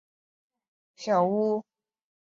此地还有一处同名的山中小屋。